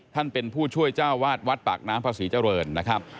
ท่านเป็นผู้ช่วยเจ้าวาดวัดปากน้ำพระศรีเจริญนะครับ